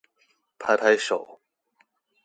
拍拍手